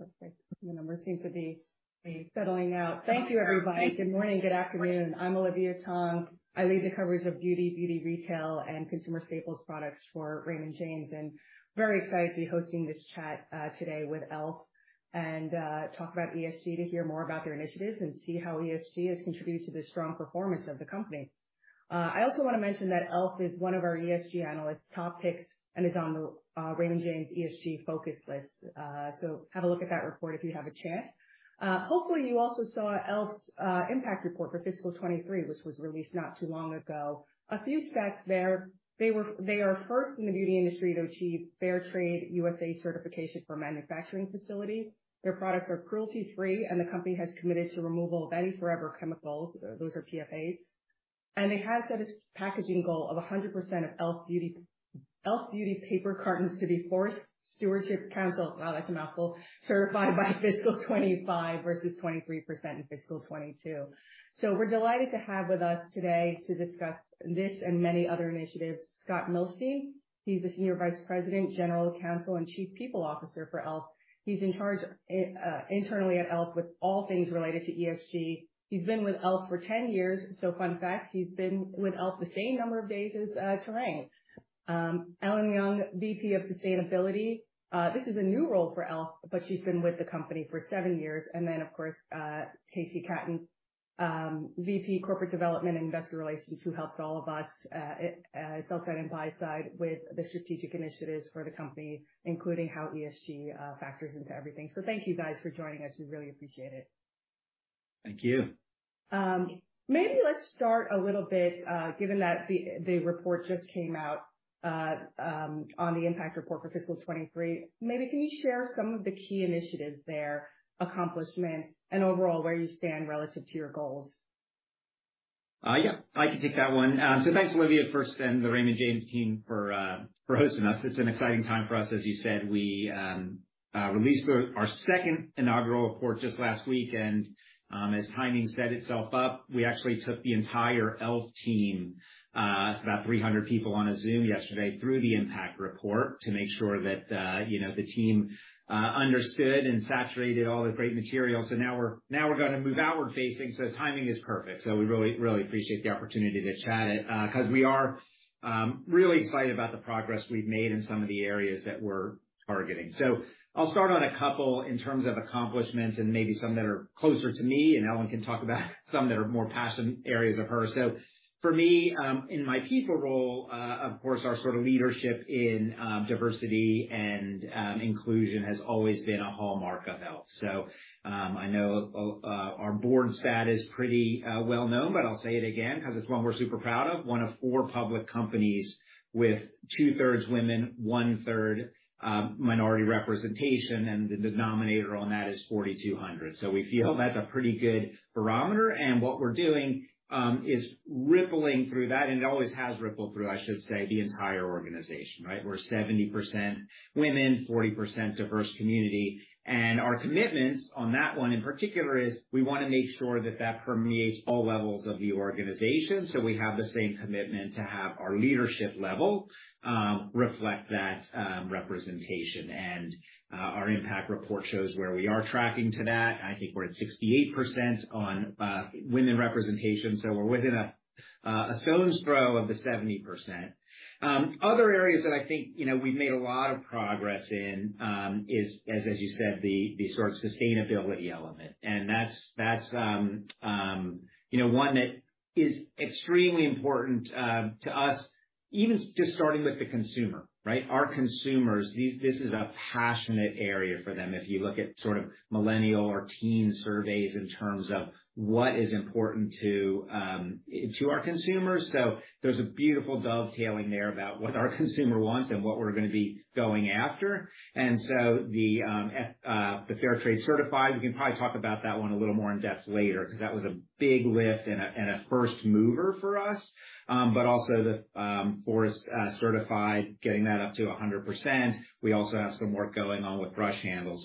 Looks like the numbers seem to be settling out. Thank you, everybody. Good morning, good afternoon. I'm Olivia Tong. I lead the coverage of beauty, beauty retail, and consumer staples products for Raymond James, and very excited to be hosting this chat today with e.l.f., and talk about ESG to hear more about their initiatives and see how ESG has contributed to the strong performance of the company. I also want to mention that e.l.f. is one of our ESG analysts' top picks and is on the Raymond James ESG Focus list. So have a look at that report if you have a chance. Hopefully, you also saw e.l.f.'s impact report for fiscal 2023, which was released not too long ago. A few stats there: They are first in the beauty industry to achieve Fair Trade USA certification for manufacturing facility. Their products are cruelty-free, and the company has committed to removal of any forever chemicals, those are PFAs. It has set its packaging goal of 100% of e.l.f. Beauty, e.l.f. Beauty paper cartons to be Forest Stewardship Council, wow, that's a mouthful, certified by fiscal 2025 versus 23% in fiscal 2022. We're delighted to have with us today to discuss this and many other initiatives, Scott Milsten. He's the Senior Vice President, General Counsel, and Chief People Officer for E.L.F. He's in charge internally at E.L.F. with all things related to ESG. He's been with E.L.F. for 10 years, so fun fact, he's been with E.L.F. the same number of days as Tarang. Ellen Leung, VP of Sustainability. This is a new role for E.L.F., but she's been with the company for seven years. Then, of course, KC Katten, VP, Corporate Development and Investor Relations, who helps all of us, sell side and buy side, with the strategic initiatives for the company, including how ESG factors into everything. So thank you, guys, for joining us. We really appreciate it. Thank you. Maybe let's start a little bit, given that the report just came out on the impact report for fiscal 2023. Maybe can you share some of the key initiatives there, accomplishments, and overall, where you stand relative to your goals? Yeah, I can take that one. So thanks, Olivia, first, and the Raymond James team for hosting us. It's an exciting time for us. As you said, we released our second inaugural report just last week, and as timing set itself up, we actually took the entire E.L.F. team, about 300 people, on a Zoom yesterday, through the impact report to make sure that you know, the team understood and saturated all the great material. So now we're going to move outward facing, so timing is perfect. So we really, really appreciate the opportunity to chat, 'cause we are really excited about the progress we've made in some of the areas that we're targeting. So I'll start on a couple in terms of accomplishments and maybe some that are closer to me, and Ellen can talk about some that are more passion areas of hers. So for me, in my people role, of course, our sort of leadership in diversity and inclusion has always been a hallmark of E.L.F. So, I know, our board stat is pretty well known, but I'll say it again because it's one we're super proud of. One of four public companies with two-thirds women, one-third minority representation, and the denominator on that is 4,200. So we feel that's a pretty good barometer, and what we're doing is rippling through that, and it always has rippled through, I should say, the entire organization, right? We're 70% women, 40% diverse community, and our commitments on that one in particular is we want to make sure that that permeates all levels of the organization. So we have the same commitment to have our leadership level reflect that representation. And our impact report shows where we are tracking to that. I think we're at 68% on women representation, so we're within a stone's throw of the 70%. Other areas that I think, you know, we've made a lot of progress in is, as you said, the sort of sustainability element. And that's, you know, one that is extremely important to us, even just starting with the consumer, right? Our consumers, this is a passionate area for them. If you look at sort of millennial or teen surveys in terms of what is important to our consumers. So there's a beautiful dovetailing there about what our consumer wants and what we're going to be going after. And so the Fair Trade Certified, we can probably talk about that one a little more in-depth later, because that was a big lift and a first mover for us. But also the forest certified, getting that up to 100%. We also have some work going on with brush handles.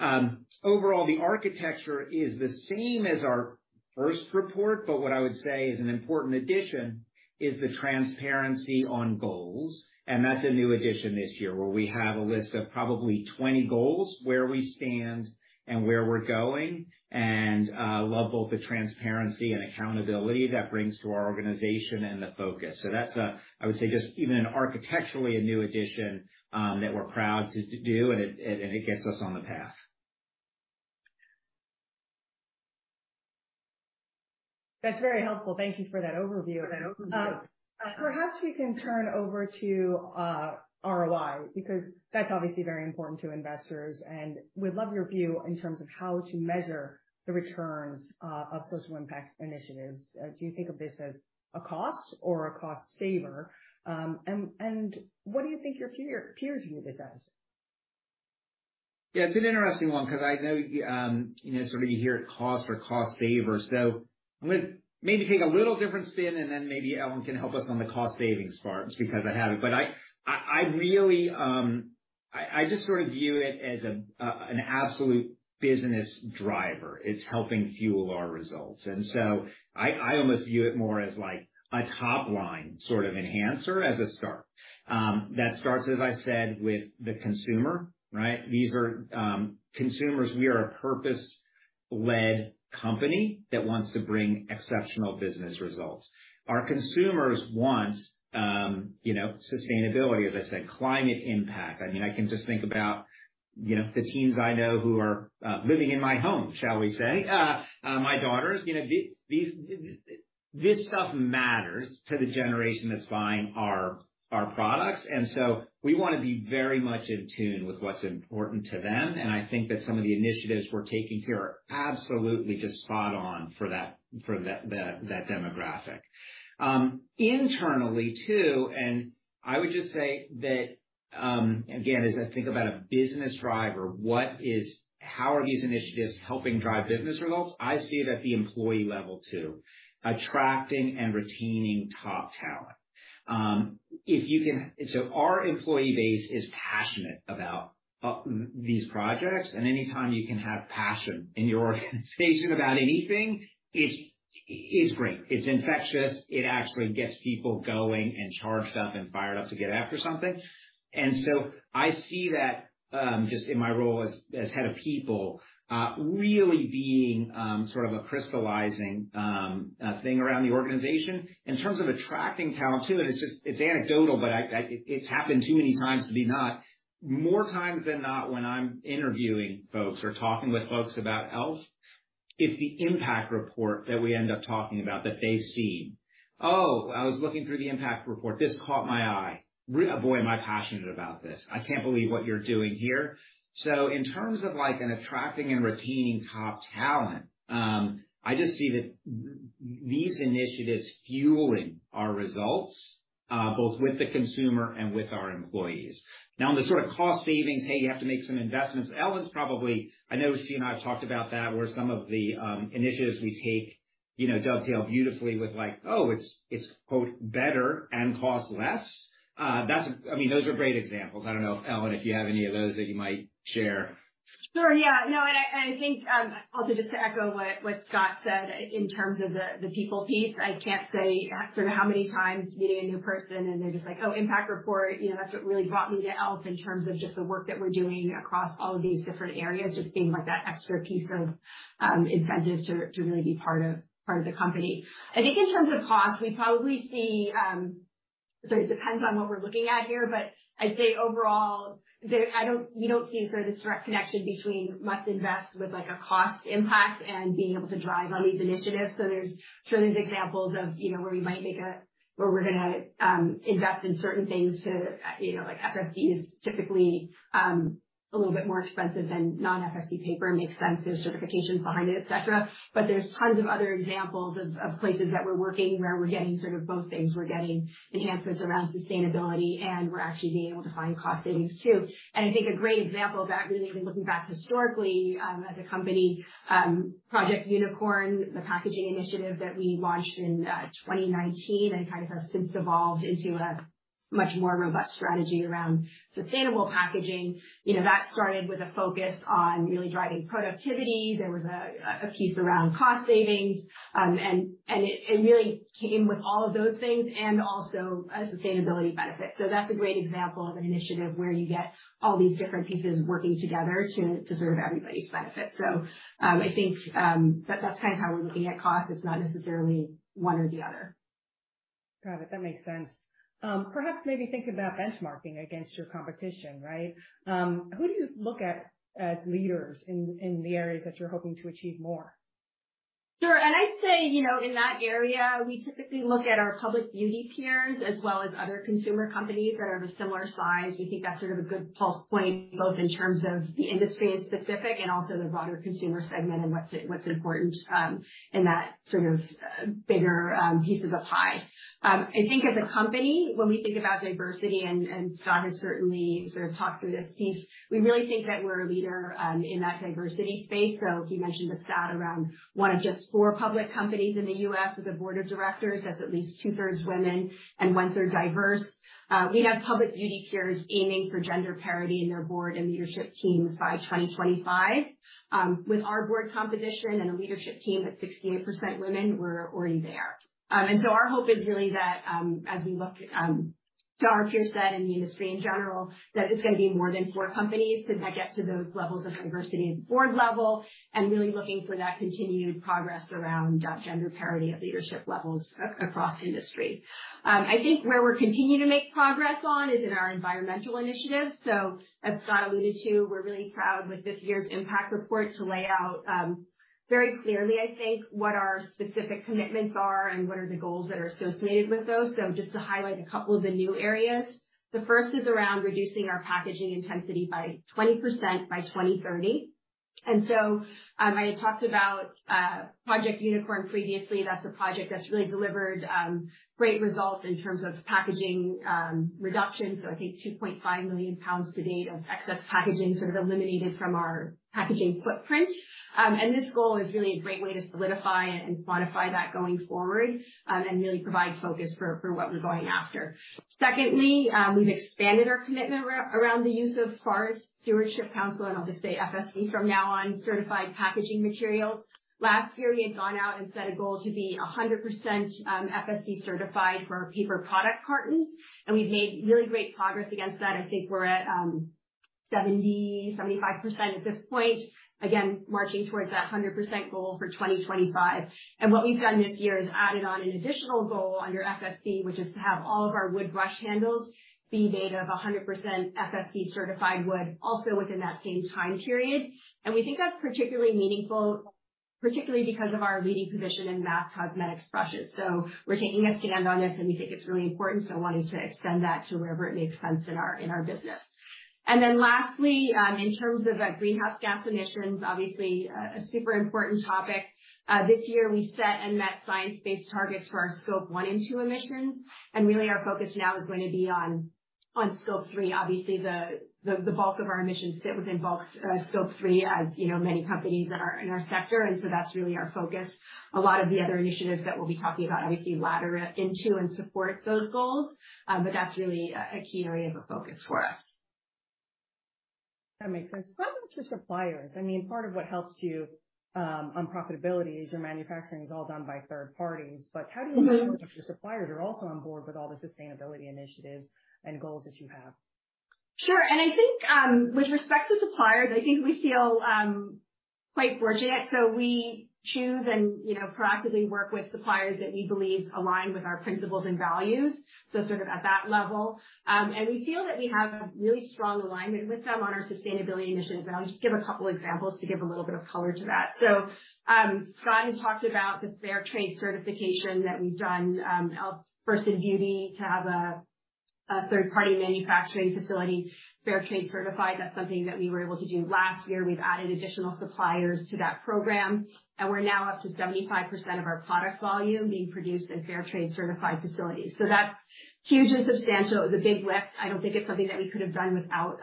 So, overall, the architecture is the same as our first report, but what I would say is an important addition is the transparency on goals, and that's a new addition this year, where we have a list of probably 20 goals, where we stand and where we're going, and love both the transparency and accountability that brings to our organization and the focus. So that's a new addition, I would say, just even architecturally, a new addition that we're proud to do, and it gets us on the path. That's very helpful. Thank you for that overview. Perhaps we can turn over to ROI, because that's obviously very important to investors, and we'd love your view in terms of how to measure the returns of social impact initiatives. Do you think of this as a cost or a cost saver? And what do you think your peers view this as? Yeah, it's an interesting one, because I know, you know, sort of you hear cost or cost saver. So I'm going to maybe take a little different spin, and then maybe Ellen can help us on the cost savings part, just because I have it. But I really just sort of view it as an absolute business driver. It's helping fuel our results. And so I almost view it more as like a top-line sort of enhancer as a start. That starts, as I said, with the consumer, right? These are consumers. We are a purpose-led company that wants to bring exceptional business results. Our consumers want, you know, sustainability, as I said, climate impact. I mean, I can just think about, you know, the teens I know who are living in my home, shall we say, my daughters. You know, this stuff matters to the generation that's buying our, our products, and so we want to be very much in tune with what's important to them, and I think that some of the initiatives we're taking here are absolutely just spot on for that, for that, that demographic. Internally, too, and I would just say that, again, as I think about a business driver, how are these initiatives helping drive business results? I see it at the employee level, too. Attracting and retaining top talent. So our employee base is passionate about these projects, and anytime you can have passion in your organization about anything, it's, it's great. It's infectious, it actually gets people going and charged up and fired up to get after something. And so I see that, just in my role as head of people, really being sort of a crystallizing thing around the organization. In terms of attracting talent, too, and it's just, it's anecdotal, but it's happened too many times to be not. More times than not, when I'm interviewing folks or talking with folks about e.l.f., it's the impact report that we end up talking about that they've seen. "Oh, I was looking through the impact report. This caught my eye. Boy, am I passionate about this. I can't believe what you're doing here." So in terms of, like, in attracting and retaining top talent, I just see that these initiatives fueling our results, both with the consumer and with our employees. Now, on the sort of cost savings, hey, you have to make some investments. Ellen's probably... I know she and I have talked about that, where some of the initiatives we take, you know, dovetail beautifully with, like, oh, it's quote, "better" and costs less. That's—I mean, those are great examples. I don't know, Ellen, if you have any of those that you might share. Sure, yeah. No, and I think, also just to echo what Scott said in terms of the people piece, I can't say sort of how many times meeting a new person, and they're just like: "Oh, impact report, you know, that's what really brought me to e.l.f." in terms of just the work that we're doing across all of these different areas, just being, like, that extra piece of incentive to really be part of the company. I think in terms of cost, we probably see, so it depends on what we're looking at here, but I'd say overall, there—I don't—we don't see sort of this direct connection between must invest with, like, a cost impact and being able to drive on these initiatives. So there are examples of, you know, where we might make a-- where we're gonna invest in certain things to, you know, like FSC is typically a little bit more expensive than non-FSC paper. It makes sense, there's certifications behind it, etc. But there's tons of other examples of places that we're working, where we're getting sort of both things. We're getting enhancements around sustainability, and we're actually being able to find cost savings, too. And I think a great example of that, really, even looking back historically, as a company, Project Unicorn, the packaging initiative that we launched in 2019, and kind of has since evolved into a much more robust strategy around sustainable packaging. You know, that started with a focus on really driving productivity. There was a piece around cost savings, and it really came with all of those things and also a sustainability benefit. So that's a great example of an initiative where you get all these different pieces working together to deserve everybody's benefit. So, I think, that's kind of how we're looking at cost. It's not necessarily one or the other. Got it. That makes sense. Perhaps maybe think about benchmarking against your competition, right? Who do you look at as leaders in the areas that you're hoping to achieve more? Sure. And I'd say, you know, in that area, we typically look at our public beauty peers, as well as other consumer companies that are of a similar size. We think that's sort of a good pulse point, both in terms of the industry in specific and also the broader consumer segment and what's important in that sort of bigger pieces of pie. I think as a company, when we think about diversity, and Scott has certainly sort of talked through this piece, we really think that we're a leader in that diversity space. So he mentioned the stat around one of just four public companies in the U.S. with a board of directors that's at least two-thirds women and one-third diverse. We have public beauty peers aiming for gender parity in their board and leadership teams by 2025. With our board composition and a leadership team that's 68% women, we're already there. And so our hope is really that, as we look to our peer set and the industry in general, that it's gonna be more than four companies to get to those levels of diversity at board level, and really looking for that continued progress around gender parity at leadership levels across industry. I think where we're continuing to make progress on is in our environmental initiatives. So as Scott alluded to, we're really proud with this year's impact report to lay out very clearly, I think, what our specific commitments are and what are the goals that are associated with those. So just to highlight a couple of the new areas. The first is around reducing our packaging intensity by 20% by 2030. So, I had talked about Project Unicorn previously. That's a project that's really delivered great results in terms of packaging reduction, so I think 2.5 million pounds to date of excess packaging sort of eliminated from our packaging footprint. And this goal is really a great way to solidify and quantify that going forward, and really provide focus for what we're going after. Secondly, we've expanded our commitment around the use of Forest Stewardship Council, and I'll just say FSC from now on, certified packaging materials. Last year, we had gone out and set a goal to be 100% FSC certified for our paper product cartons, and we've made really great progress against that. I think we're at 70%-75% at this point, again, marching towards that 100% goal for 2025. What we've done this year is added on an additional goal under FSC, which is to have all of our wood brush handles be made of 100% FSC certified wood, also within that same time period. We think that's particularly meaningful, particularly because of our leading position in mass cosmetics brushes. We're taking a stand on this, and we think it's really important, so wanting to extend that to wherever it makes sense in our business. Then lastly, in terms of greenhouse gas emissions, obviously, a super important topic. This year, we set and met Science-Based Targets for our Scope 1 and 2 emissions, and really, our focus now is going to be on Scope 3. Obviously, the bulk of our emissions sit within Scope 3, as you know, many companies in our sector, and so that's really our focus. A lot of the other initiatives that we'll be talking about obviously ladder into and support those goals, but that's really a key area of focus for us. That makes sense. What about your suppliers? I mean, part of what helps you, on profitability is your manufacturing is all done by third parties. But how do you make sure that your suppliers are also on board with all the sustainability initiatives and goals that you have? Sure. I think, with respect to suppliers, I think we feel quite fortunate. So we choose and, you know, proactively work with suppliers that we believe align with our principles and values, so sort of at that level. And we feel that we have a really strong alignment with them on our sustainability initiatives, and I'll just give a couple examples to give a little bit of color to that. So, Scott has talked about the Fair Trade certification that we've done, helps E.L.F. Beauty to have a third-party manufacturing facility, Fair Trade certified. That's something that we were able to do last year. We've added additional suppliers to that program, and we're now up to 75% of our product volume being produced in Fair Trade certified facilities. So that's huge and substantial. It was a big lift. I don't think it's something that we could have done without,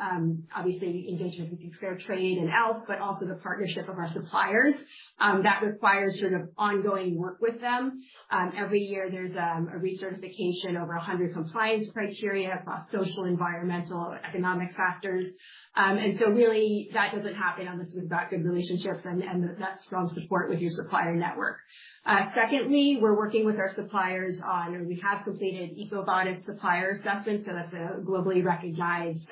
obviously engagement with Fair Trade and E.L.F., but also the partnership of our suppliers. That requires sort of ongoing work with them. Every year, there's a recertification over 100 compliance criteria across social, environmental, and economic factors. And so really, that doesn't happen unless you've got good relationships and the best strong support with your supplier network. Secondly, we're working with our suppliers on... We have completed EcoVadis Supplier Assessment, so that's a globally recognized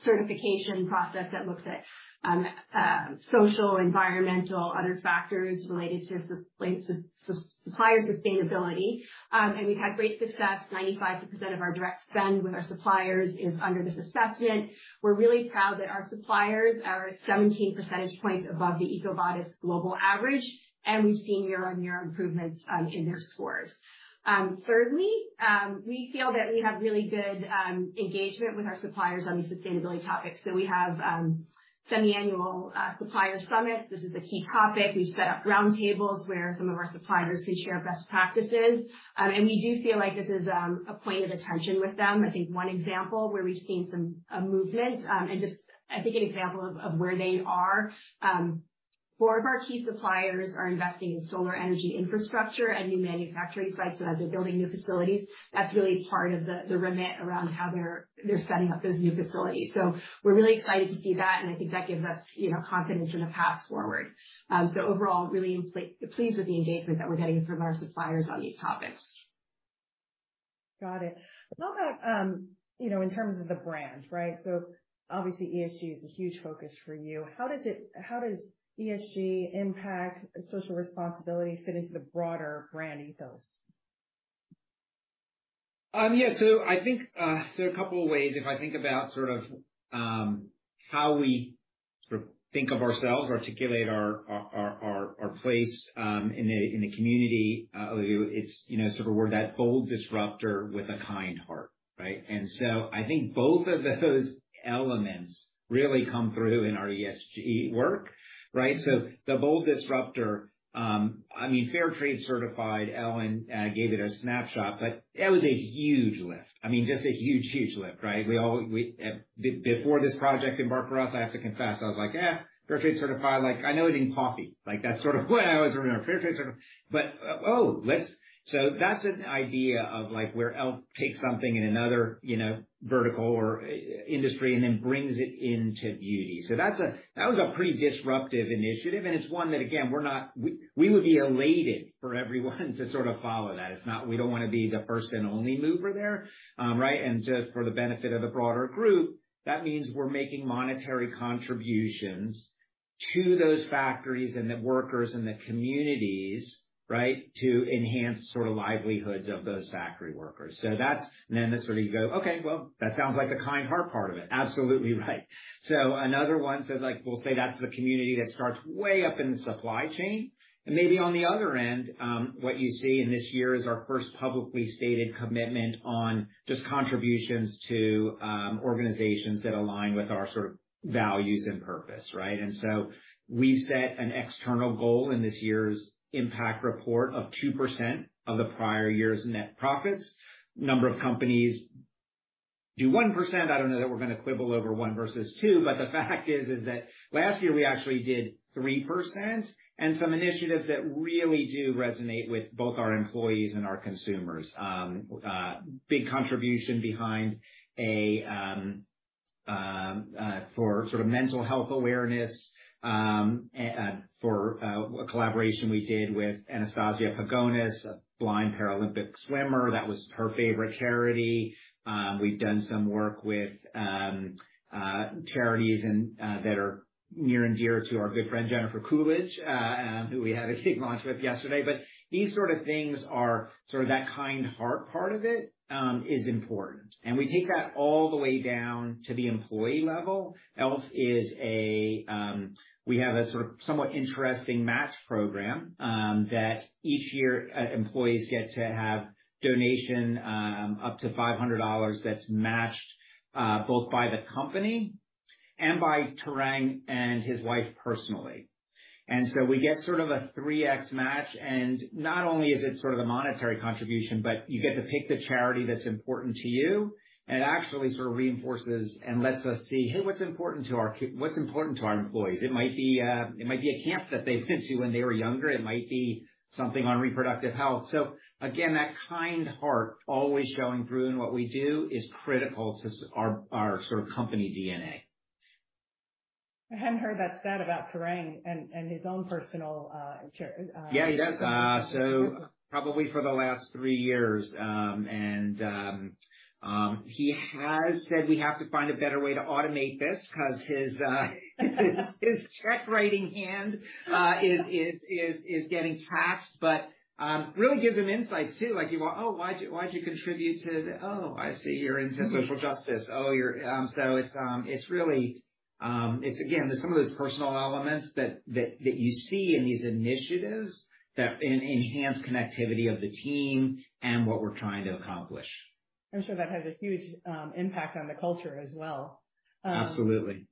certification process that looks at social, environmental, other factors related to supplier sustainability. And we've had great success. 95% of our direct spend with our suppliers is under this assessment. We're really proud that our suppliers are 17% points above the EcoVadis global average, and we've seen year-on-year improvements in their scores. Thirdly, we feel that we have really good engagement with our suppliers on these sustainability topics. So we have semiannual supplier summits. This is a key topic. We've set up roundtables where some of our suppliers can share best practices, and we do feel like this is a point of attention with them. I think one example where we've seen some movement, and just I think an example of where they are, four of our key suppliers are investing in solar energy infrastructure and new manufacturing sites. So as they're building new facilities, that's really part of the remit around how they're setting up those new facilities. So we're really excited to see that, and I think that gives us, you know, confidence in a path forward. So overall, really pleased with the engagement that we're getting from our suppliers on these topics. Got it. How about, you know, in terms of the brand, right? So obviously, ESG is a huge focus for you. How does ESG impact and social responsibility fit into the broader brand ethos? Yeah, so I think so a couple of ways. If I think about sort of how we sort of think of ourselves, articulate our place in the community, it's, you know, sort of we're that bold disruptor with a kind heart, right? And so I think both of those elements really come through in our ESG work, right? So the bold disruptor, I mean, Fair Trade certified, Ellen, gave it a snapshot, but that was a huge lift. I mean, just a huge, huge lift, right? We all, we, Before this project embarked for us, I have to confess, I was like, "Eh, Fair Trade certified, like I know it in coffee." Like, that's sort of what I was... Fair Trade certified, but, oh, let's-- So that's an idea of, like, where e.l.f. takes something in another, you know, vertical or industry and then brings it into beauty. So that's a, that was a pretty disruptive initiative, and it's one that, again, we're not-- we would be elated for everyone to sort of follow that. It's not-- we don't wanna be the first and only mover there, right? Just for the benefit of the broader group, that means we're making monetary contributions to those factories and the workers and the communities, right, to enhance sort of livelihoods of those factory workers. So that's the kind heart part of it. And then you sort of go, "Okay, well, that sounds like the kind heart part of it." Absolutely right. So another one, so like, we'll say that's the community that starts way up in the supply chain, and maybe on the other end, what you see in this year is our first publicly stated commitment on just contributions to organizations that align with our sort of values and purpose, right? And so we set an external goal in this year's impact report of 2% of the prior year's net profits number of companies do 1%. I don't know that we're going to quibble over one versus two, but the fact is that last year, we actually did 3% and some initiatives that really do resonate with both our employees and our consumers. Big contribution for sort of mental health awareness and for a collaboration we did with Anastasia Pagonis, a blind Paralympic swimmer. That was her favorite charity. We've done some work with charities and that are near and dear to our good friend Jennifer Coolidge, who we had a big launch with yesterday. But these sort of things are sort of that kind heart part of it is important, and we take that all the way down to the employee level. E.LF.. is a, we have a sort of somewhat interesting match program, that each year, employees get to have donation, up to $500 that's matched, both by the company and by Tarang and his wife personally. And so we get sort of a 3x match, and not only is it sort of a monetary contribution, but you get to pick the charity that's important to you. And it actually sort of reinforces and lets us see, hey, what's important to our employees? It might be, it might be a camp that they went to when they were younger. It might be something on reproductive health. So again, that kind heart always showing through in what we do is critical to our, our sort of company DNA. I hadn't heard that stat about Tarang and his own personal. Yeah, he does. So probably for the last three years. He has said we have to find a better way to automate this because his check-writing hand is getting taxed. But really gives him insights too. Like he went: "Oh, why'd you, why'd you contribute to the... Oh, I see. You're into social justice. Oh, you're..." So it's really again, some of those personal elements that you see in these initiatives that enhance connectivity of the team and what we're trying to accomplish. I'm sure that has a huge impact on the culture as well. Absolutely.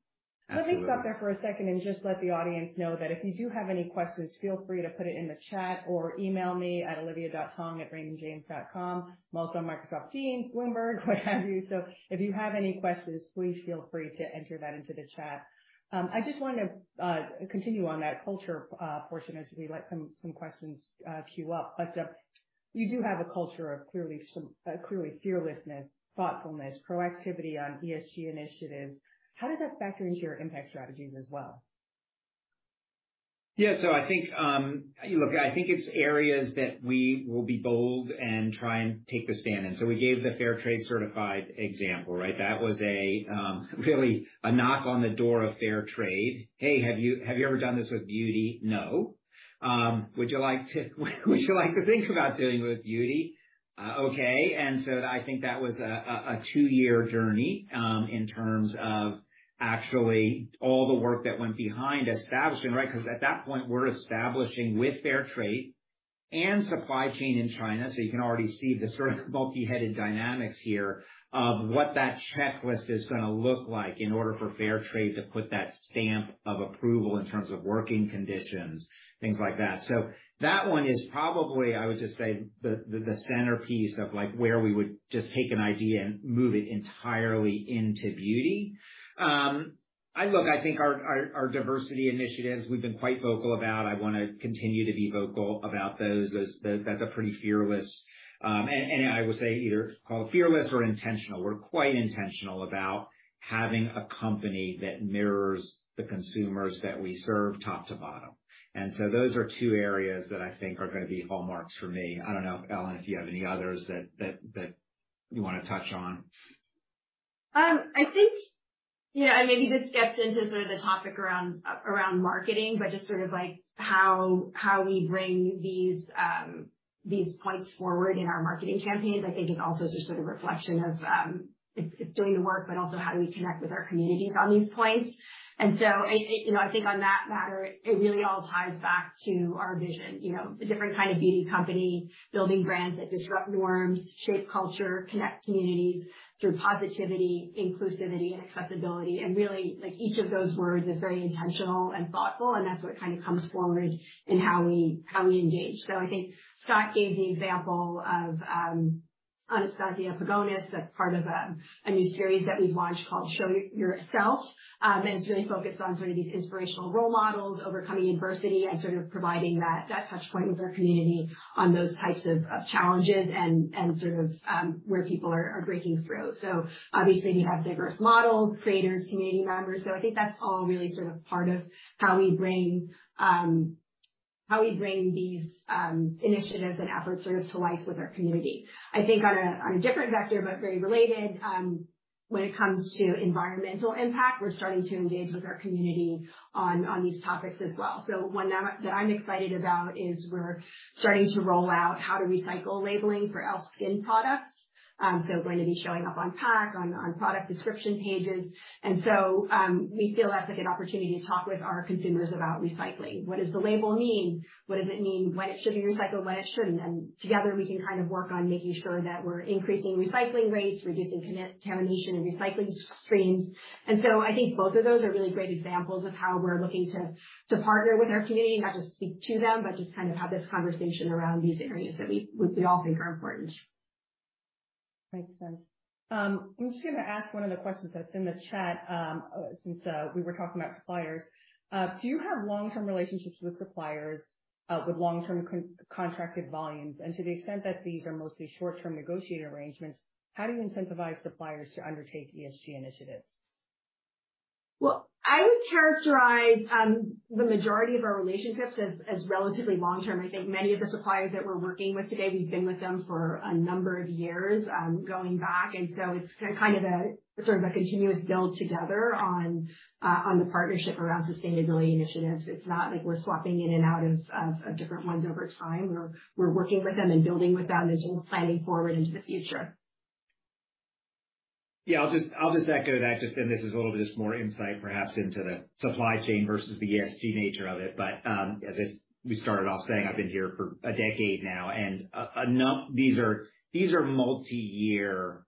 Absolutely. Let me stop there for a second and just let the audience know that if you do have any questions, feel free to put it in the chat or email me at olivia.tong@raymondjames.com. I'm also on Microsoft Teams, Bloomberg, what have you. So if you have any questions, please feel free to enter that into the chat. I just wanted to continue on that culture portion as we let some questions queue up. But you do have a culture of clearly some clearly fearlessness, thoughtfulness, proactivity on ESG initiatives. How does that factor into your impact strategies as well? Yeah. So I think, look, I think it's areas that we will be bold and try and take a stand in. So we gave the Fair Trade Certified example, right? That was really a knock on the door of fair trade. "Hey, have you ever done this with beauty?" "No." "Would you like to think about doing it with beauty?" Okay. And so I think that was a two-year journey in terms of actually all the work that went behind establishing, right? Because at that point, we're establishing with fair trade and supply chain in China, so you can already see the sort of multi-headed dynamics here of what that checklist is gonna look like in order for fair trade to put that stamp of approval in terms of working conditions, things like that. So that one is probably. I would just say, the centerpiece of like, where we would just take an idea and move it entirely into beauty. Look, I think our diversity initiatives, we've been quite vocal about. I wanna continue to be vocal about those, as that's a pretty fearless. And I will say either call it fearless or intentional. We're quite intentional about having a company that mirrors the consumers that we serve, top to bottom. And so those are two areas that I think are gonna be hallmarks for me. I don't know if, Ellen, if you have any others that you want to touch on. I think, you know, and maybe this gets into sort of the topic around marketing, but just sort of like how we bring these points forward in our marketing campaigns. I think it's also just sort of a reflection of, it's doing the work, but also how do we connect with our communities on these points? And so it, you know, I think on that matter, it really all ties back to our vision. You know, a different kind of beauty company, building brands that disrupt norms, shape culture, connect communities through positivity, inclusivity, and accessibility. And really, like, each of those words is very intentional and thoughtful, and that's what kind of comes forward in how we engage. So I think Scott gave the example of Anastasia Pagonis. That's part of a new series that we've launched called Show Your Self. It's really focused on sort of these inspirational role models, overcoming adversity and sort of providing that touch point with our community on those types of challenges and sort of where people are breaking through. Obviously, you have diverse models, creators, community members. I think that's all really sort of part of how we bring these initiatives and efforts sort of to life with our community. I think on a different vector, but very related, when it comes to environmental impact, we're starting to engage with our community on these topics as well. One that I'm excited about is we're starting to roll out How2Recycle labeling for e.l.f. skin products. So going to be showing up on packaging, on product description pages. And so, we feel that's like an opportunity to talk with our consumers about recycling. What does the label mean? What does it mean, when it should be recycled, when it shouldn't? And together, we can kind of work on making sure that we're increasing recycling rates, reducing contamination in recycling streams. And so I think both of those are really great examples of how we're looking to partner with our community, not just speak to them, but just kind of have this conversation around these areas that we all think are important. Makes sense. I'm just going to ask one of the questions that's in the chat, since we were talking about suppliers. Do you have long-term relationships with suppliers, with long-term contracted volumes? And to the extent that these are mostly short-term negotiated arrangements, how do you incentivize suppliers to undertake ESG initiatives? Well, I would characterize the majority of our relationships as relatively long-term. I think many of the suppliers that we're working with today, we've been with them for a number of years, going back, and so it's kind of sort of a continuous build together on the partnership around sustainability initiatives. It's not like we're swapping in and out of different ones over time. We're working with them and building with them as we're planning forward into the future. Yeah, I'll just echo that. And this is a little bit more insight, perhaps, into the supply chain versus the ESG nature of it. But, as we started off saying, I've been here for a decade now, and these are multiyear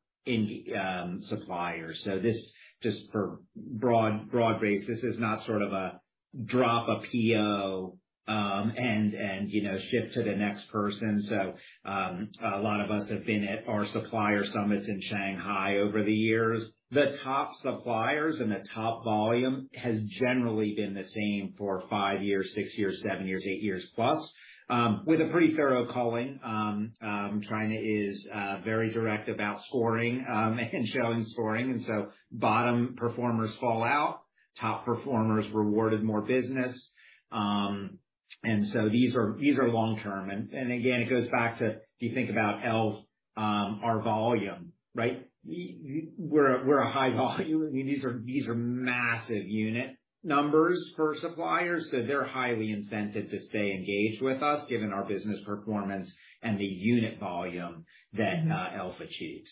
suppliers. So this, just for broad base, this is not sort of a drop a PO, and, you know, ship to the next person. So, a lot of us have been at our supplier summits in Shanghai over the years. The top suppliers and the top volume has generally been the same for five years, six years, seven years, eight years plus, with a pretty thorough culling. China is very direct about scoring and showing scoring, and so bottom performers fall out, top performers rewarded more business. So these are, these are long-term. And again, it goes back to, if you think about e.l.f., our volume, right? We're a, we're a high volume. I mean, these are, these are massive unit numbers for suppliers, so they're highly incented to stay engaged with us, given our business performance and the unit volume that e.l.f. achieves.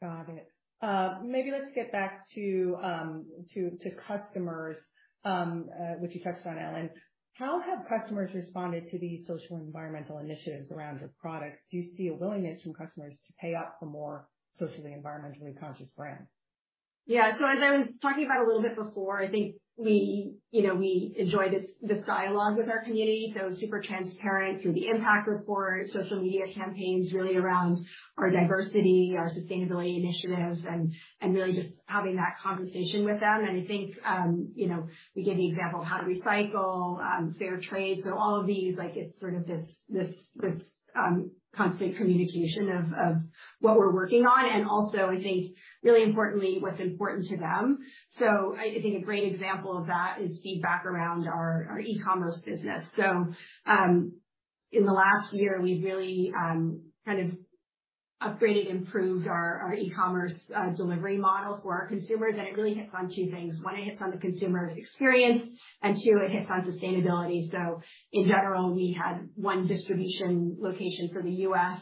Got it. Maybe let's get back to customers, which you touched on, Ellen. How have customers responded to these social and environmental initiatives around your products? Do you see a willingness from customers to pay up for more socially, environmentally conscious brands? Yeah. So as I was talking about a little bit before, I think we, you know, we enjoy this, this dialogue with our community, so super transparent through the impact report, social media campaigns, really around our diversity, our sustainability initiatives, and, and really just having that conversation with them. And I think, you know, we give the example of how to recycle, fair trade. So all of these, like, it's sort of this, this, this, constant communication of, of what we're working on, and also, I think, really importantly, what's important to them. So I, I think a great example of that is feedback around our, our e-commerce business. So, in the last year, we've really, kind of upgraded and improved our, our e-commerce, delivery model for our consumers, and it really hits on two things. One, it hits on the consumer experience, and two, it hits on sustainability. So in general, we had one distribution location for the U.S.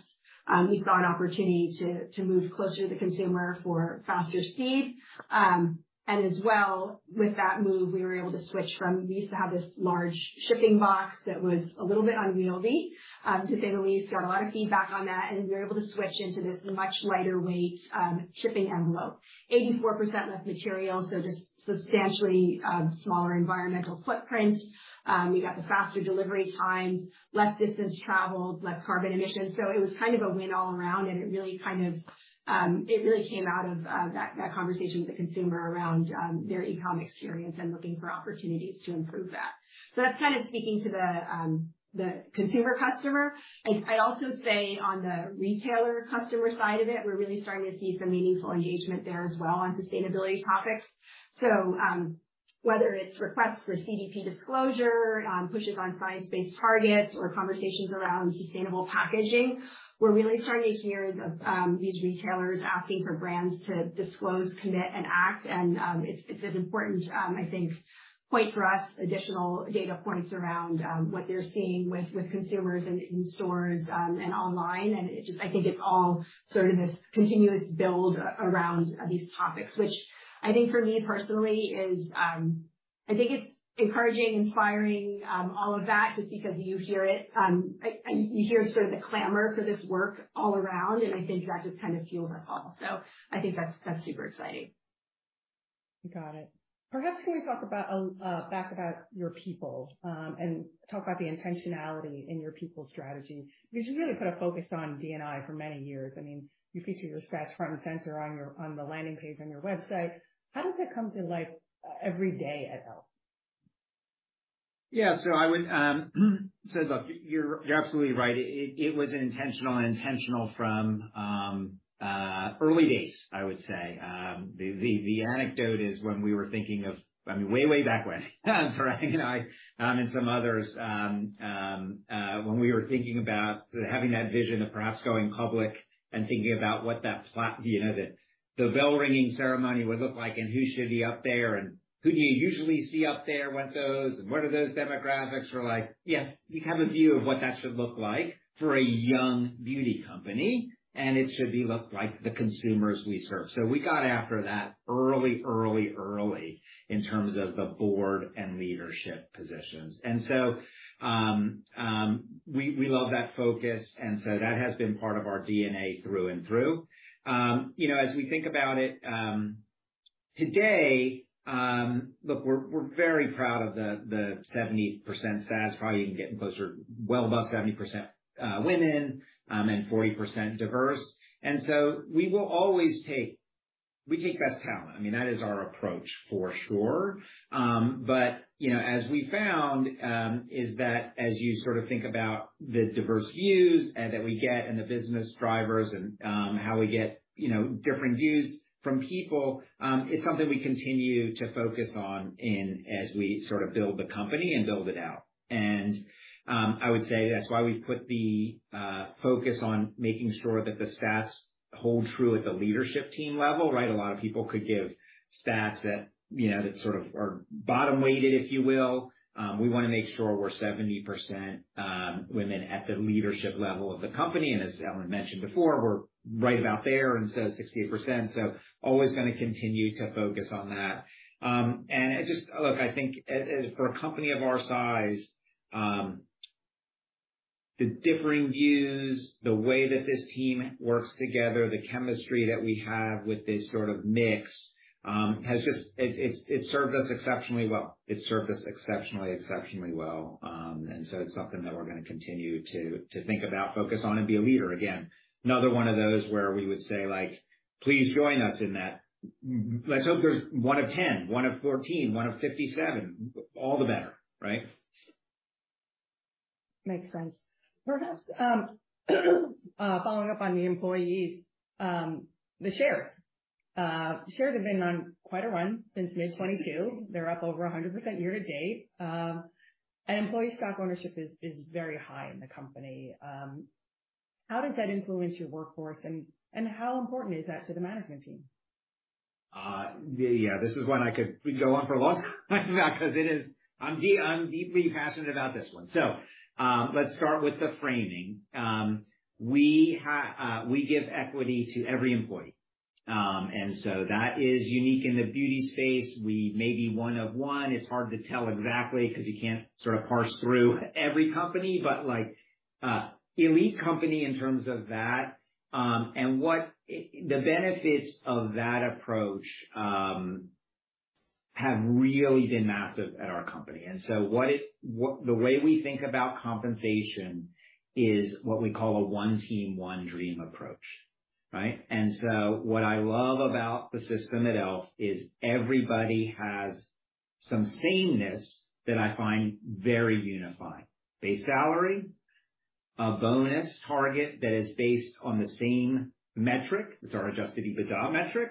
We saw an opportunity to move closer to the consumer for faster speed. And as well, with that move, we were able to switch from... We used to have this large shipping box that was a little bit unwieldy, to say the least. Got a lot of feedback on that, and we were able to switch into this much lighter weight shipping envelope. 84% less material, so just substantially smaller environmental footprint. You got the faster delivery times, less distance traveled, less carbon emissions. So it was kind of a win all around, and it really kind of, it really came out of that conversation with the consumer around their e-com experience and looking for opportunities to improve that. So that's kind of speaking to the consumer customer. I'd also say on the retailer customer side of it, we're really starting to see some meaningful engagement there as well on sustainability topics. So whether it's requests for CDP disclosure, pushes on Science-Based Targets, or conversations around sustainable packaging, we're really starting to hear these retailers asking for brands to disclose, commit, and act. And it's an important, I think, point for us, additional data points around what they're seeing with consumers in stores and online. And it just... I think it's all sort of this continuous build around these topics, which I think for me personally is, I think it's encouraging, inspiring, all of that, just because you hear it, you hear sort of the clamor for this work all around, and I think that just kind of fuels us all. So I think that's, that's super exciting. Got it. Perhaps can we talk about your people and the intentionality in your people strategy? Because you really put a focus on D&I for many years. I mean, you feature your stats front and center on the landing page on your website. How does that come to life every day at e.l.f.? Yeah. So I would, so look, you're, you're absolutely right. It, it was intentional, and intentional from, early days, I would say. The, the anecdote is when we were thinking of... I mean, way, way back when, so I, I, and some others, when we were thinking about having that vision of perhaps going public and thinking about what that spot, you know, the, the bell ringing ceremony would look like, and who should be up there, and who do you usually see up there with those, and what are those demographics? We're like: Yeah, we have a view of what that should look like for a young beauty company, and it should be look like the consumers we serve. So we got after that early, early, early in terms of the board and leadership positions. We love that focus, and so that has been part of our DNA through and through. You know, as we think about it, today, look, we're very proud of the 70% stats, probably even getting closer, well above 70%, women, and 40% diverse. We take best talent. I mean, that is our approach for sure. But, you know, as we found, is that as you sort of think about the diverse views that we get and the business drivers and how we get, you know, different views from people, it's something we continue to focus on in as we sort of build the company and build it out. I would say that's why we've put the focus on making sure that the stats hold true at the leadership team level, right? A lot of people could give stats that, you know, that sort of are bottom weighted, if you will. We wanna make sure we're 70% women at the leadership level of the company. As Ellen mentioned before, we're right about there, and so 68%. So always gonna continue to focus on that. And just look, I think, for a company of our size, the differing views, the way that this team works together, the chemistry that we have with this sort of mix has just served us exceptionally well. It's served us exceptionally, exceptionally well. And so it's something that we're gonna continue to think about, focus on and be a leader. Again, another one of those where we would say, like: Please join us in that. Let's hope there's one of 10, one of 14, one of 57, all the better, right? Makes sense. Perhaps, following up on the employees, the shares. The shares have been on quite a run since May 2022. They're up over 100% year to date. Employee stock ownership is, is very high in the company. How does that influence your workforce, and, and how important is that to the management team? Yeah, this is one I could, we can go on for a long time, because it is... I'm deeply passionate about this one. So, let's start with the framing. We give equity to every employee. And so that is unique in the beauty space. We may be one of one. It's hard to tell exactly because you can't sort of parse through every company, but, like, elite company in terms of that. And what, the benefits of that approach have really been massive at our company. And so what it, the way we think about compensation is what we call a one team, one dream approach, right? And so what I love about the system at e.l.f. is everybody has some sameness that I find very unifying. Base salary, a bonus target that is based on the same metric, it's our Adjusted EBITDA metric,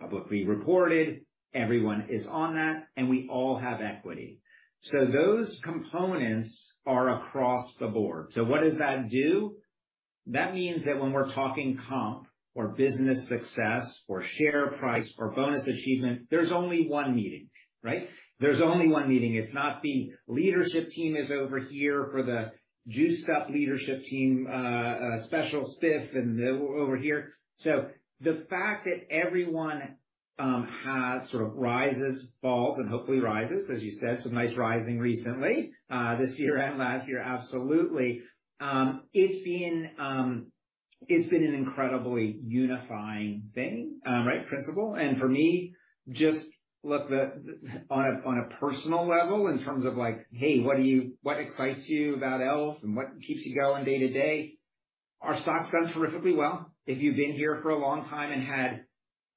publicly reported, everyone is on that, and we all have equity. So those components are across the board. So what does that do? That means that when we're talking comp or business success or share price or bonus achievement, there's only one meeting, right? There's only one meeting. It's not the leadership team is over here or the juiced up leadership team, special spiff and over here. So the fact that everyone has sort of rises, falls, and hopefully rises, as you said, some nice rising recently, this year and last year, absolutely. It's been, it's been an incredibly unifying thing, right, principle. And for me, just look on a, on a personal level in terms of like: Hey, what do you... What excites you about e.l.f., and what keeps you going day to day? Our stock's done terrifically well. If you've been here for a long time and had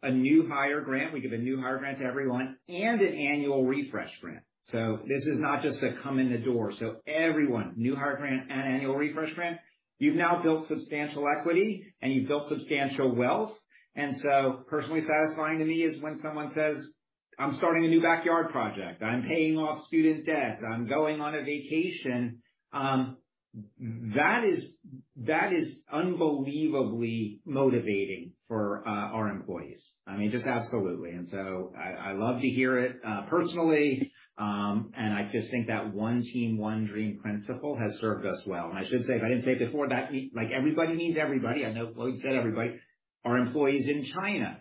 a new hire grant, we give a new hire grant to everyone and an annual refresh grant. So this is not just a come in the door. So everyone, new hire grant and annual refresh grant, you've now built substantial equity, and you've built substantial wealth. And so personally satisfying to me is when someone says: I'm starting a new backyard project, I'm paying off student debt, I'm going on a vacation. That is, that is unbelievably motivating for, our employees. I mean, just absolutely. And so I, I love to hear it, personally, and I just think that one team, one dream principle has served us well. I should say, if I didn't say it before, that like, everybody means everybody. I know I said everybody. Our employees in China,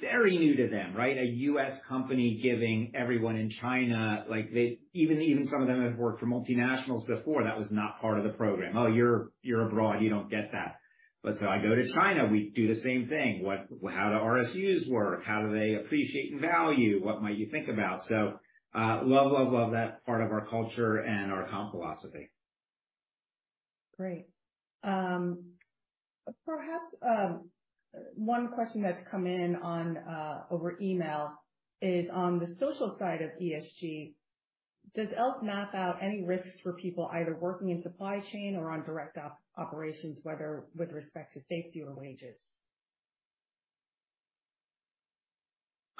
very new to them, right? A U.S. company giving everyone in China, like, they... Even some of them have worked for multinationals before, that was not part of the program. Oh, you're abroad, you don't get that. But so I go to China, we do the same thing. What, how the RSUs work, how do they appreciate in value? What might you think about? So, love, love, love that part of our culture and our comp philosophy. Great. Perhaps, one question that's come in on, over email is on the social side of ESG, does e.l.f. map out any risks for people either working in supply chain or on direct operations, whether with respect to safety or wages?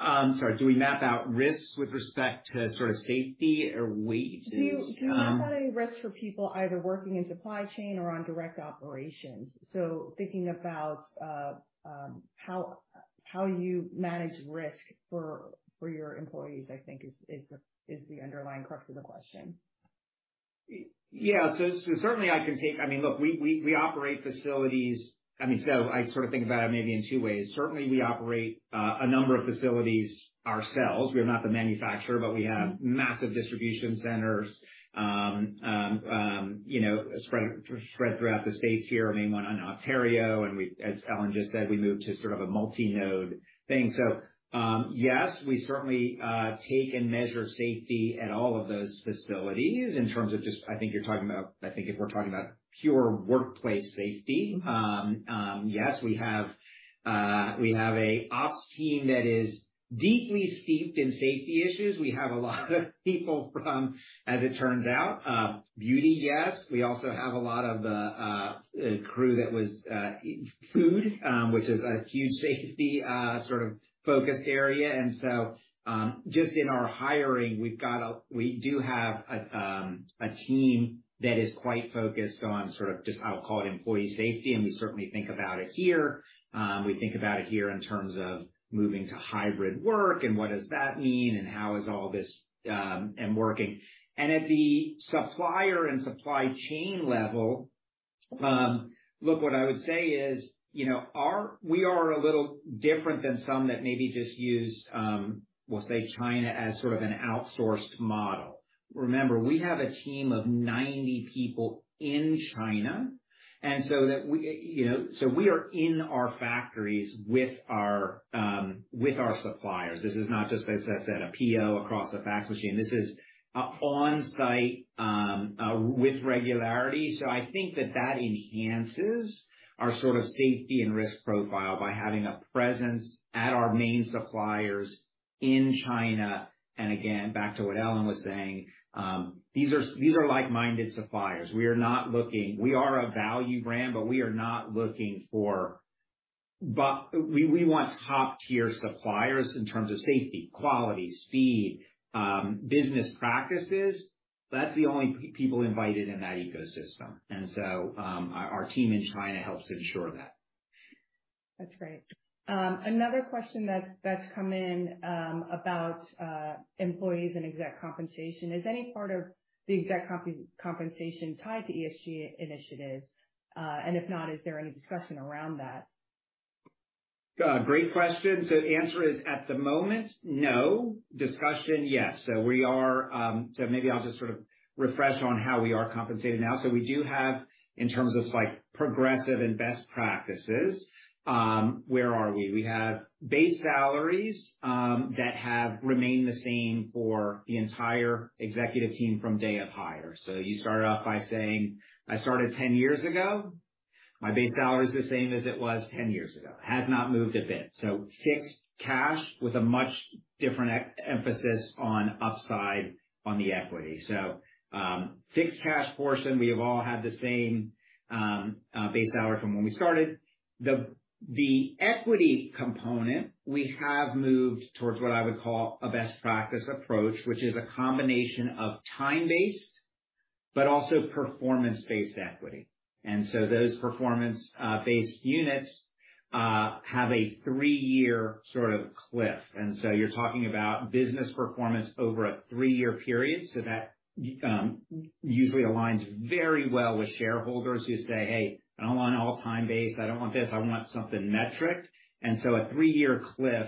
Sorry, do we map out risks with respect to sort of safety or wages Do you, do you map out any risks for people either working in supply chain or on direct operations? So thinking about how you manage risk for your employees, I think is the underlying crux of the question. Yeah. So certainly I can take... I mean, look, we operate facilities. I mean, so I sort of think about it maybe in two ways. Certainly, we operate a number of facilities ourselves. We are not the manufacturer, but we have massive distribution centers, you know, spread throughout the states here, a main one in Ontario, and we, as Ellen just said, we moved to sort of a multi-node thing. So, yes, we certainly take and measure safety at all of those facilities in terms of just I think you're talking about. I think if we're talking about pure workplace safety... Yes, we have a ops team that is deeply steeped in safety issues. We have a lot of people from, as it turns out, beauty, yes. We also have a lot of crew that was in food, which is a huge safety sort of focus area. And so, just in our hiring, we've got we do have a team that is quite focused on sort of just, I'll call it employee safety, and we certainly think about it here. We think about it here in terms of moving to hybrid work and what does that mean and how is all this, and working and at the supplier and supply chain level, look, what I would say is, you know, we are a little different than some that maybe just use, we'll say China, as sort of an outsourced model. Remember, we have a team of 90 people in China, and so that we, you know, so we are in our factories with our, with our suppliers. This is not just, as I said, a PO across a fax machine. This is on-site with regularity. So I think that that enhances our sort of safety and risk profile by having a presence at our main suppliers in China. And again, back to what Ellen was saying, these are like-minded suppliers. We are a value brand, but we want top-tier suppliers in terms of safety, quality, speed, business practices. That's the only people invited in that ecosystem. And so, our team in China helps ensure that. That's great. Another question that's come in about employees and exec compensation. Is any part of the exec compensation tied to ESG initiatives? And if not, is there any discussion around that? Great question. So the answer is, at the moment, no. Discussion, yes. So we are. So maybe I'll just sort of refresh on how we are compensated now. So we do have, in terms of, like, progressive and best practices, where are we? We have base salaries that have remained the same for the entire executive team from day of hire. So you start off by saying, "I started 10 years ago. My base salary is the same as it was 10 years ago." Has not moved a bit. So fixed cash with a much different emphasis on upside on the equity. So, fixed cash portion, we have all had the same base salary from when we started. The equity component, we have moved towards what I would call a best practice approach, which is a combination of time-based but also performance-based equity. And so those performance-based units have a three-year sort of cliff. And so you're talking about business performance over a three-year period. So that usually aligns very well with shareholders who say, "Hey, I don't want all time-based. I don't want this. I want something metric." And so a three-year cliff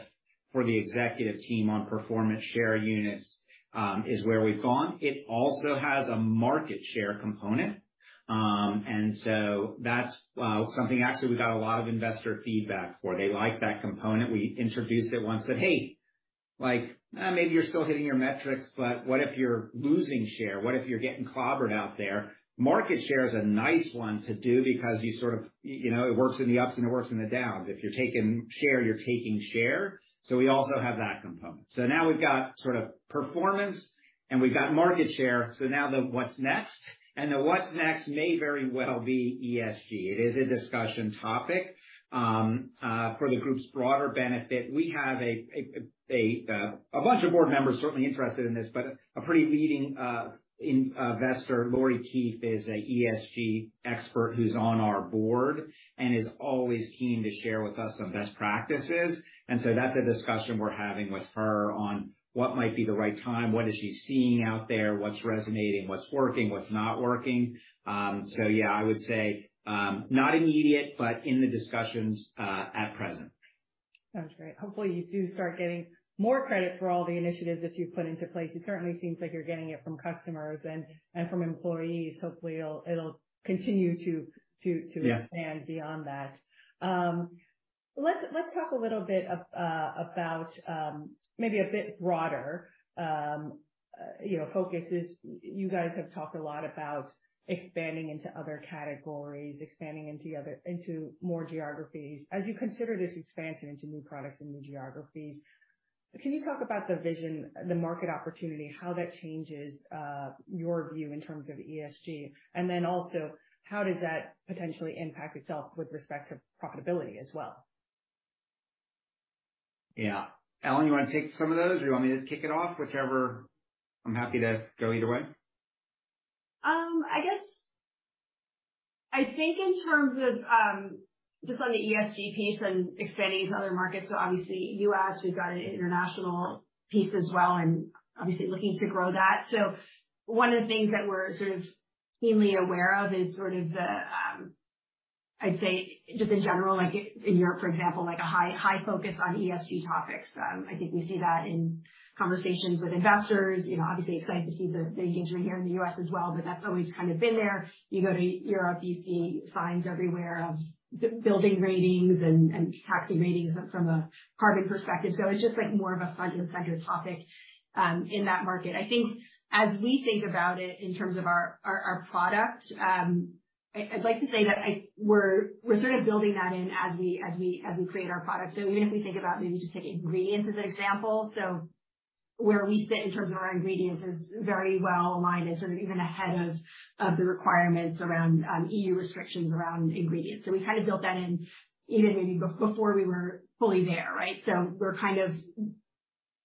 for the executive team on performance share units is where we've gone. It also has a market share component. And so that's something actually we got a lot of investor feedback for. They like that component. We introduced it once and said, "Hey, like, maybe you're still hitting your metrics, but what if you're losing share? What if you're getting clobbered out there?" Market share is a nice one to do because you sort of, you know, it works in the ups and it works in the downs. If you're taking share, you're taking share. So we also have that component. So now we've got sort of performance, and we've got market share. So now the what's next? And the what's next may very well be ESG. It is a discussion topic. For the group's broader benefit, we have a bunch of board members certainly interested in this, but a pretty leading investor, Lori Keith, is an ESG expert who's on our board and is always keen to share with us some best practices. And so that's a discussion we're having with her on what might be the right time, what is she seeing out there, what's resonating, what's working, what's not working? So yeah, I would say not immediate, but in the discussions at present. Sounds great. Hopefully, you do start getting more credit for all the initiatives that you've put into place. It certainly seems like you're getting it from customers and from employees. Hopefully, it'll continue to... Yeah to expand beyond that. Let's talk a little bit about maybe a bit broader, you know, focuses. You guys have talked a lot about expanding into other categories, expanding into other into more geographies. As you consider this expansion into new products and new geographies, can you talk about the vision, the market opportunity, how that changes your view in terms of ESG? And then also, how does that potentially impact itself with respect to profitability as well? Yeah. Ellen, you want to take some of those, or you want me to kick it off? Whichever. I'm happy to go either way. I guess, I think in terms of just on the ESG piece and expanding to other markets, so obviously, U.S., we've got an international piece as well and obviously looking to grow that. So one of the things that we're sort of keenly aware of is sort of the, I'd say, just in general, like in Europe, for example, like a high, high focus on ESG topics. I think we see that in conversations with investors. You know, obviously excited to see the engagement here in the U.S. as well, but that's always kind of been there. You go to Europe, you see signs everywhere of building ratings and taxi ratings from a carbon perspective. So it's just like more of a front and center topic in that market. I think as we think about it in terms of our product. I'd like to say that we're sort of building that in as we create our products. So even if we think about maybe just taking ingredients as an example, so where we sit in terms of our ingredients is very well aligned and sort of even ahead of the requirements around EU restrictions around ingredients. So we've kind of built that in even maybe before we were fully there, right? So we're kind of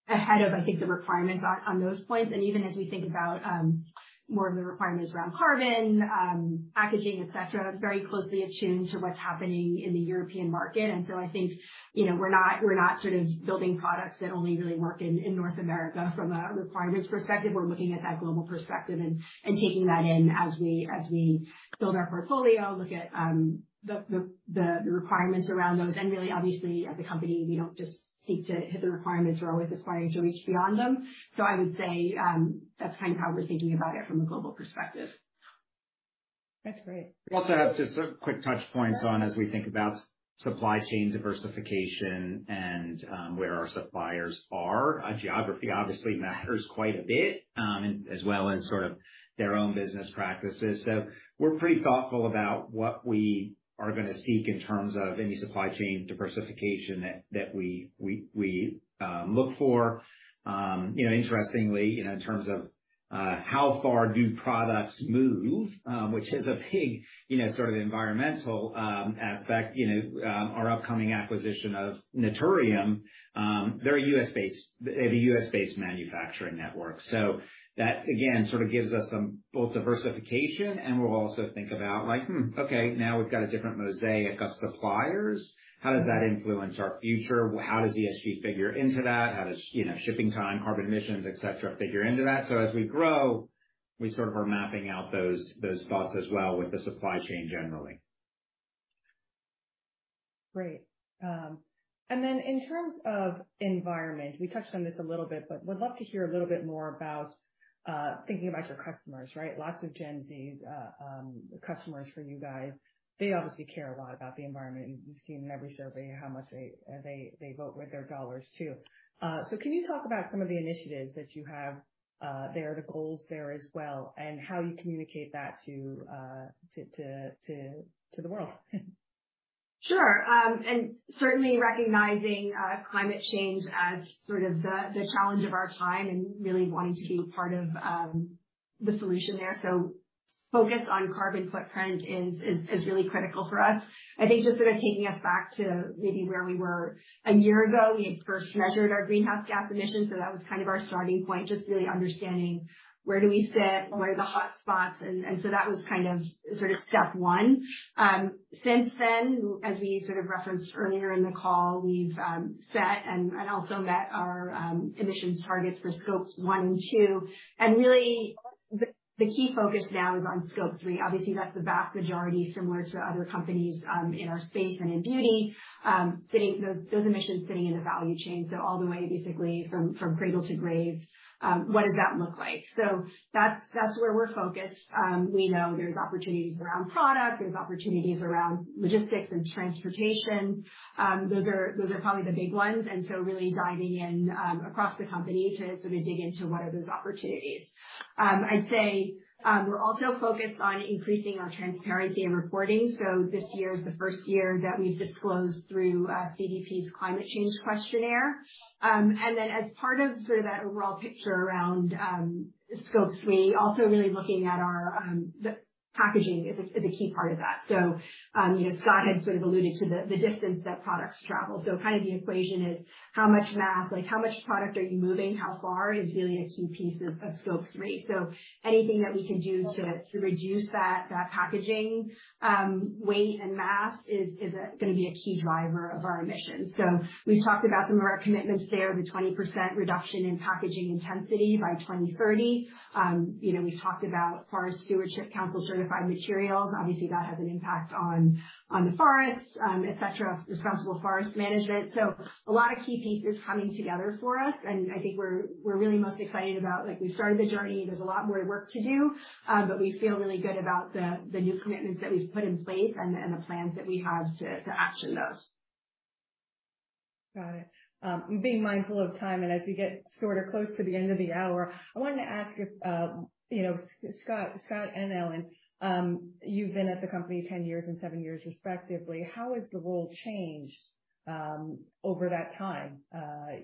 ahead of, I think, the requirements on those points. And even as we think about more of the requirements around carbon, packaging, etc, very closely attuned to what's happening in the European market. And so I think, you know, we're not sort of building products that only really work in North America from a requirements perspective. We're looking at that global perspective and taking that in as we build our portfolio, look at the requirements around those. And really, obviously, as a company, we don't just seek to hit the requirements. We're always aspiring to reach beyond them. So I would say, that's kind of how we're thinking about it from a global perspective. That's great. Also, just some quick touch points on, as we think about supply chain diversification and, where our suppliers are. Geography obviously matters quite a bit, as well as sort of their own business practices. So we're pretty thoughtful about what we are gonna seek in terms of any supply chain diversification that we look for. You know, interestingly, you know, in terms of, how far do products move, which is a big, you know, sort of environmental, aspect, you know, our upcoming acquisition of Naturium, they're a U.S.-based... They have a U.S.-based manufacturing network. So that, again, sort of gives us some both diversification, and we'll also think about, like, hmm, okay, now we've got a different mosaic of suppliers. How does that influence our future? How does ESG figure into that? How does, you know, shipping time, carbon emissions, et cetera, figure into that? So as we grow, we sort of are mapping out those thoughts as well with the supply chain generally. Great. And then in terms of environment, we touched on this a little bit, but would love to hear a little bit more about thinking about your customers, right? Lots of Gen Z customers for you guys. They obviously care a lot about the environment, and we've seen in every survey how much they vote with their dollars, too. So can you talk about some of the initiatives that you have there, the goals there as well, and how you communicate that to the world? Sure. And certainly recognizing climate change as sort of the challenge of our time and really wanting to be part of the solution there. So focus on carbon footprint is really critical for us. I think just sort of taking us back to maybe where we were a year ago, we had first measured our greenhouse gas emissions, so that was kind of our starting point, just really understanding where do we sit, where are the hot spots, and so that was kind of sort of step one. Since then, as we sort of referenced earlier in the call, we've set and also met our emissions targets for Scope 1 and 2. And really, the key focus now is on Scope 3. Obviously, that's the vast majority, similar to other companies, in our space and in beauty, those emissions sitting in the value chain, so all the way, basically, from cradle to grave. What does that look like? So that's where we're focused. We know there's opportunities around product, there's opportunities around logistics and transportation. Those are probably the big ones, and so really diving in, across the company to sort of dig into what are those opportunities. I'd say, we're also focused on increasing our transparency and reporting. So this year is the first year that we've disclosed through CDP's climate change questionnaire. And then, as part of sort of that overall picture around Scope 3, also really looking at our the packaging. Packaging is a key part of that. So, you know, Scott had sort of alluded to the distance that products travel. So kind of the equation is how much mass, like, how much product are you moving, how far, is really a key piece of Scope 3. So anything that we can do to reduce that packaging weight and mass is gonna be a key driver of our emissions. So we've talked about some of our commitments there, the 20% reduction in packaging intensity by 2030. You know, we talked about Forest Stewardship Council certified materials. Obviously, that has an impact on the forests, etc., responsible forest management. So a lot of key pieces coming together for us, and I think we're really most excited about, like, we've started the journey. There's a lot more work to do, but we feel really good about the new commitments that we've put in place and the plans that we have to action those. Got it. Being mindful of time, and as we get sort of close to the end of the hour, I wanted to ask if, you know, Scott and Ellen, you've been at the company 10 years and seven years respectively. How has the role changed over that time?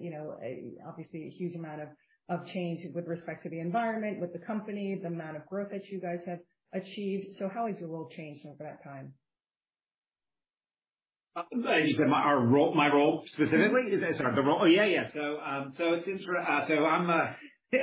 You know, obviously, a huge amount of change with respect to the environment, with the company, the amount of growth that you guys have achieved. So how has your role changed over that time? You said my role specifically? So,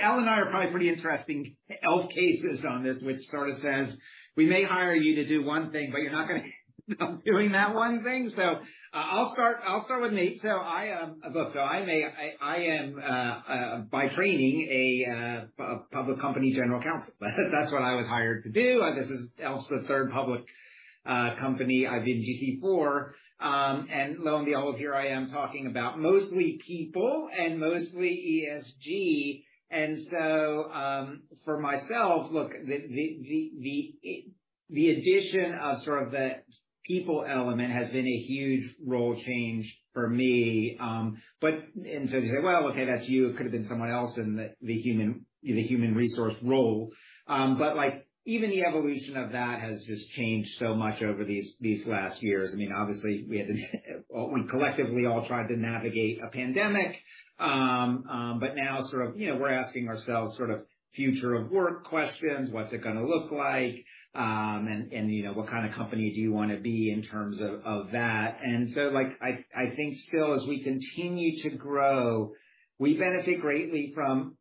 Ellen and I are probably pretty interesting edge cases on this, which sort of says, "We may hire you to do one thing, but you're not gonna end up doing that one thing." So I'll start with me. So I look, so I may, I, I am by training a public company general counsel. That's what I was hired to do, and this is e.l.f.'s, the third public company I've been GC for. And lo and behold, here I am talking about mostly people and mostly ESG. And so, for myself, look, the addition of sort of the people element has been a huge role change for me. But... And so you say, "Well, okay, that's you. It could have been someone else in the human resource role." But, like, even the evolution of that has just changed so much over these last years. I mean, obviously, we had to, when collectively we all tried to navigate a pandemic. But now sort of, you know, we're asking ourselves sort of future of work questions, what's it gonna look like? And, you know, what kind of company do you want to be in terms of that? And so, like, I think still as we continue to grow, we benefit greatly from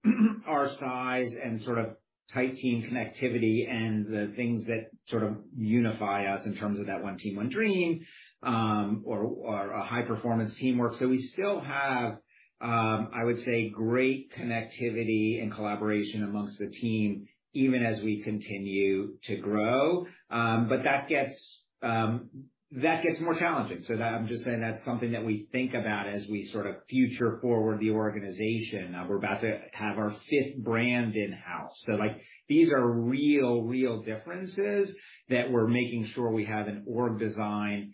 our size and sort of tight team connectivity and the things that sort of unify us in terms of that one team, one dream, or a high performance teamwork. So we still have, I would say, great connectivity and collaboration amongst the team, even as we continue to grow. But that gets more challenging. So that, I'm just saying that's something that we think about as we sort of future forward the organization. We're about to have our fifth brand in-house. So, like, these are real, real differences that we're making sure we have an org design and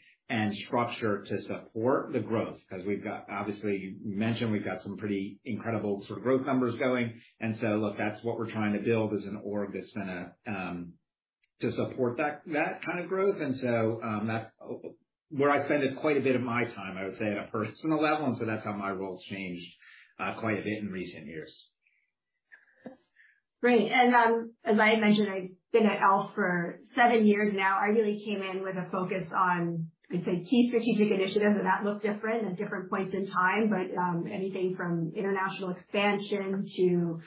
structure to support the growth. Because we've got, obviously, you mentioned we've got some pretty incredible sort of growth numbers going, and so, look, that's what we're trying to build, is an org that's gonna to support that, that kind of growth. And so, that's where I spend quite a bit of my time, I would say, at a personal level, and so that's how my role's changed, quite a bit in recent years. Great. And, as I had mentioned, I've been at e.l.f. for seven years now. I really came in with a focus on, I'd say, key strategic initiatives, and that looked different at different points in time, but anything from international expansion to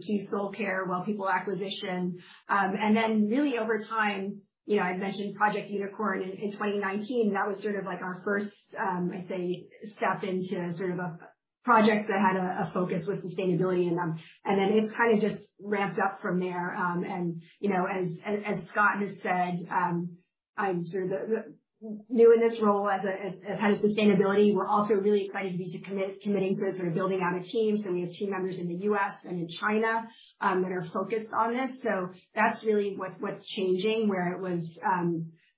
Keys Soulcare, Well People acquisition. And then really over time, you know, I'd mentioned Project Unicorn in 2019, that was sort of like our first, I'd say, step into sort of a project that had a focus with sustainability in them, and then it's kind of just ramped up from there. And, you know, as Scott has said, I'm sort of the new in this role as head of sustainability. We're also really excited to be committing to sort of building out a team. So we have team members in the U.S. and in China that are focused on this. So that's really what's changing, where it was,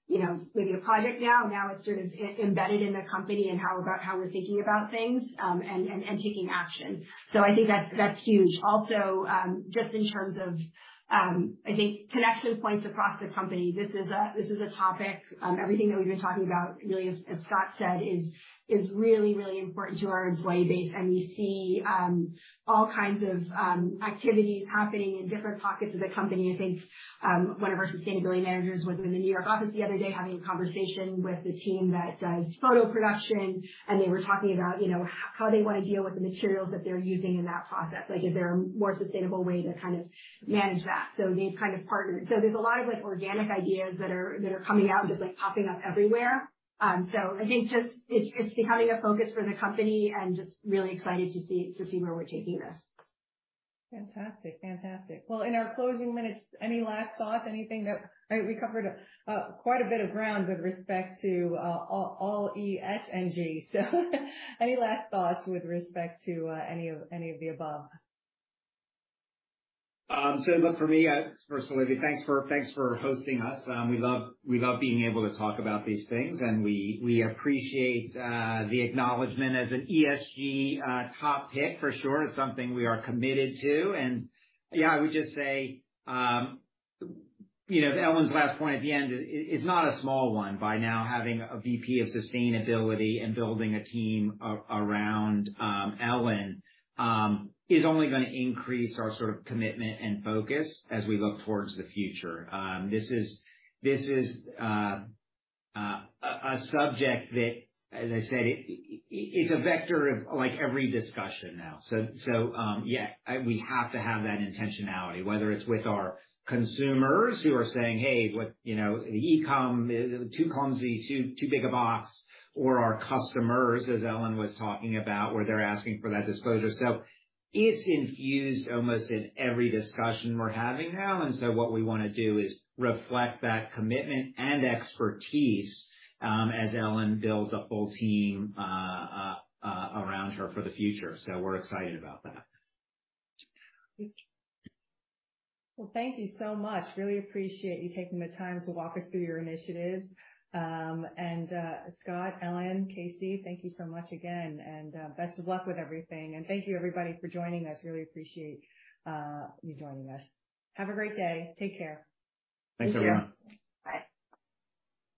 you know, maybe a project now, it's sort of embedded in the company and how we're thinking about things, and taking action. So I think that's huge. Also, just in terms of, I think connection points across the company, this is a topic, everything that we've been talking about, really, as Scott said, is really important to our employee base. And we see all kinds of activities happening in different pockets of the company. I think, one of our sustainability managers was in the New York office the other day, having a conversation with the team that does photo production, and they were talking about, you know, how they want to deal with the materials that they're using in that process. Like, is there a more sustainable way to kind of manage that? So we've kind of partnered. So there's a lot of, like, organic ideas that are coming out and just, like, popping up everywhere. So I think just it's becoming a focus for the company and just really excited to see where we're taking this. Fantastic. Fantastic. Well, in our closing minutes, any last thoughts? Anything that... We covered quite a bit of ground with respect to all ESG, so, any last thoughts with respect to any of the above? So look, for me, I—first of all, Libby, thanks for, thanks for hosting us. We love, we love being able to talk about these things, and we, we appreciate the acknowledgement as an ESG top pick, for sure. It's something we are committed to. And yeah, I would just say, you know, Ellen's last point at the end is not a small one. By now, having a Vice President of Sustainability and building a team around Ellen is only going to increase our sort of commitment and focus as we look towards the future. This is a subject that, as I said, it's a vector of, like, every discussion now. So, yeah, we have to have that intentionality, whether it's with our consumers who are saying, "Hey, what... You know, e-com is too clumsy, too big a box," or our customers, as Ellen was talking about, where they're asking for that disclosure. So it's infused almost in every discussion we're having now, and so what we want to do is reflect that commitment and expertise, as Ellen builds a full team around her for the future. So we're excited about that. Well, thank you so much. Really appreciate you taking the time to walk us through your initiatives. And, Scott, Ellen, Casey, thank you so much again, and best of luck with everything. Thank you everybody for joining us. Really appreciate you joining us. Have a great day. Take care. Thanks, everyone. Bye.